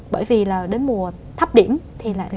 bởi vì là đến mùa thấp điểm thì lại